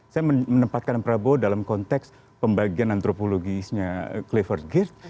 saya menempatkan prabowo dalam konteks pembagian antropologisnya clifford girth